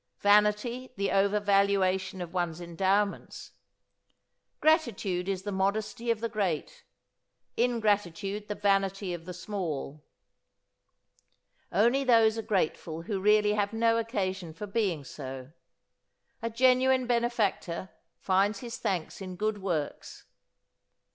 Vanity, the overvaluation of one's endowments. Gratitude is the modesty of the great; ingratitude the vanity of the small. Only those are grateful who really have no occasion for being so. A genuine benefactor finds his thanks in good works.